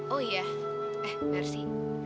oh iya eh mersi